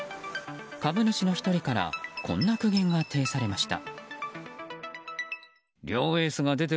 株主の１人からこんな苦言が呈されました。